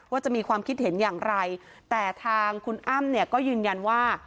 จะมีความคิดเห็นอย่างไรแต่ทางคุณอ้ำเนี่ยก็ยืนยันว่า